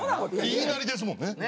言いなりですもんね。